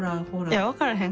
いや分からへん。